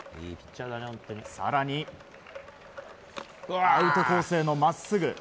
更に、アウトコースへの真っすぐ。